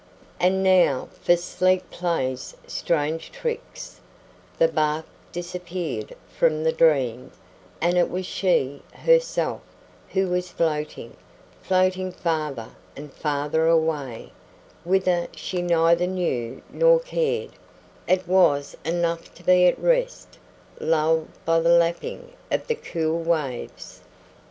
And now, for sleep plays strange tricks, the bark disappeared from the dream, and it was she, herself, who was floating, floating farther and farther away; whither she neither knew nor cared; it was enough to be at rest, lulled by the lapping of the cool waves.